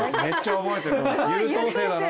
優等生だな。